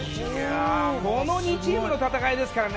この２チームの戦いですからね。